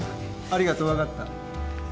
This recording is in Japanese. ありがとう。分かった。